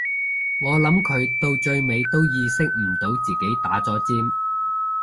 我諗佢到最尾都意識唔到自己打咗尖